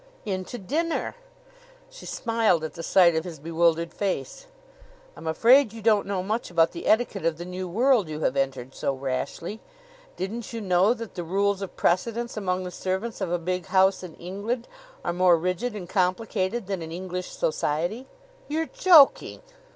"In to dinner." She smiled at the sight of his bewildered face. "I'm afraid you don't know much about the etiquette of the new world you have entered so rashly. Didn't you know that the rules of precedence among the servants of a big house in England are more rigid and complicated than in English society?" "You're joking!"